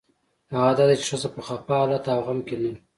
هغه دا دی چې ښځه په خپه حالت او غم کې نه وي.